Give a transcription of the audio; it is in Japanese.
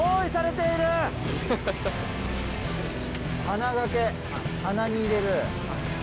鼻掛け鼻に入れる。